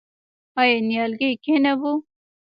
آیا نیالګی کینوو؟